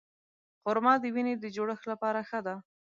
خرما د وینې د جوړښت لپاره ښه ده.